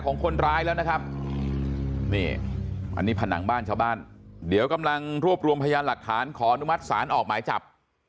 นี่อันนี้ผนังบ้านชาวบ้านเดี๋ยวกำลังรวบรวมพยานหลักฐานขอนุมัติศาลออกหมายจับ